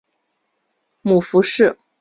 母傅氏。